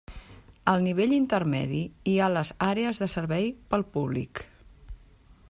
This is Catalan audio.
Al nivell intermedi hi ha les àrees de servei pel públic.